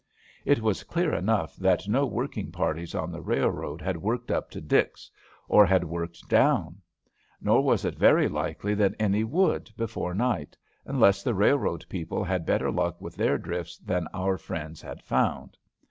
It was clear enough that no working parties on the railroad had worked up to Dix, or had worked down; nor was it very likely that any would before night, unless the railroad people had better luck with their drifts than our friends had found.